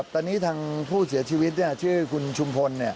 ท่านผู้เสียชีวิตชื่อคุณชุมพล